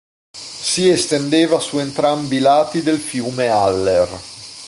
Si estendeva su entrambi i lati del fiume Aller.